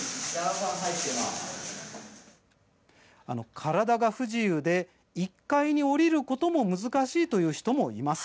体が不自由で１階に下りるのも難しいという人もいます。